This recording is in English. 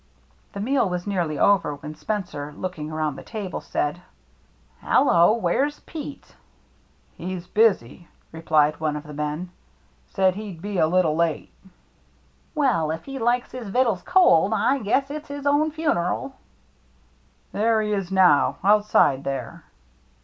The meal was nearly over when Spencer, looking around the table, said, " Hello, where's Pete?" " He's busy," replied one of the men, " said he'd be a little late." " Well, if he likes his vittfes cold, I guess it's his own funeral." " There he is now, outside there."